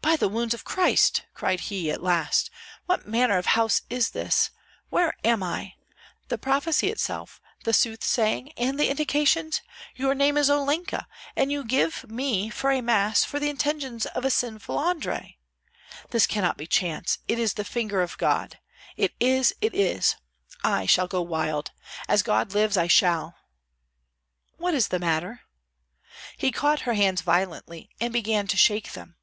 "By the wounds of Christ!" cried he, at last, "what manner of house is this? Where am I? The prophecy itself, the soothsaying, and the indications Your name is Olenka, and you give me for a Mass for the intentions of a sinful Andrei. This cannot be chance; it is the finger of God, it is, it is. I shall go wild! As God lives, I shall!" "What is the matter?" He caught her hands violently and began to shake them.